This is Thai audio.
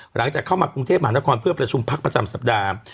หลังจากเข้ามากรุงเทพมหานครเพื่อประชุมพักประจำสัปดาห์